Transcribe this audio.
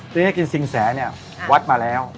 ทีนี้กินสิงแสเนี่ยวัดมาแล้ว